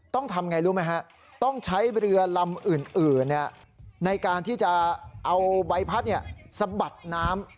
ต้องทำอย่างไรรู้ไหมฮะต้องใช้เรือลำอื่นในการที่จะเอาใบพัดสะบัดน้ำ